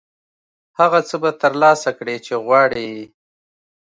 هغه څه به ترلاسه کړې چې غواړې یې.